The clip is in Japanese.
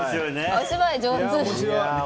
お芝居上手。